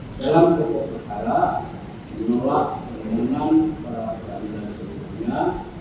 dalam pokok perkara menolak permenang para peradilan sebetulnya